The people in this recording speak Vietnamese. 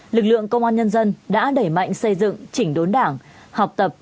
lực lượng công an nhân dân đã đẩy mạnh xây dựng chỉnh đốn đảng học tập